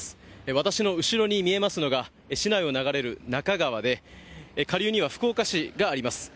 私の後ろに見えますのが、市内を流れる那珂川で、下流には福岡市があります。